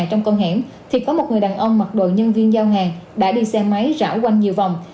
trong con hẻm thì có một người đàn ông mặc đồ nhân viên giao hàng đã đi xe máy rão quanh nhiều vòng